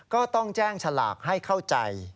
ก็ต้องแจ้งฉลากให้เข้าใจ